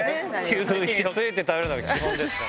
席に着いて食べるのが基本ですから。